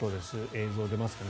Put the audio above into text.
映像が出ますかね。